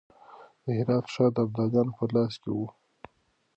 د هرات ښار د ابدالیانو په لاس کې و.